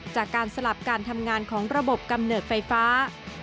จากการสลับการทำงานของระบบกำเนิดไฟฟ้า